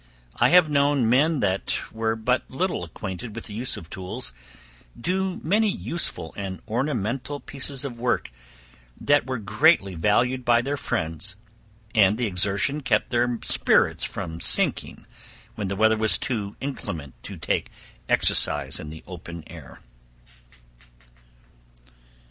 I have known men that were but little acquainted with the use of tools, do many useful and ornamental pieces of work, that were greatly valued by their friends; and the exertion kept their spirits from sinking, when the weather was too inclement to take exercise in the open air.